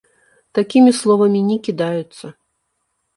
Такімі словамі не кідаюцца.